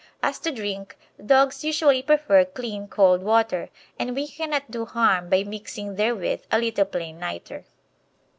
As to drink, dogs usually prefer clean cold water, and we cannot do harm by mixing therewith a little plain nitre.